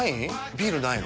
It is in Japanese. ビールないの？